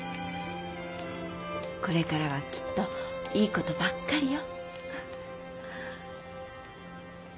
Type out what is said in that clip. これからはきっといい事ばっかりよ。